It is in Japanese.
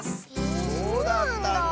えそうなんだ。